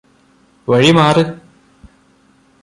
വഴി മാറ്